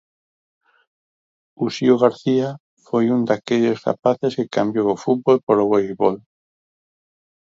Uxío García foi un daqueles rapaces que cambiou o fútbol polo voleibol.